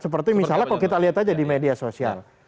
seperti misalnya kalau kita lihat aja di media sosial